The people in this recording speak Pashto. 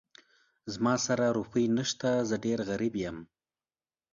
زما سره روپۍ نه شته، زه ډېر غريب يم.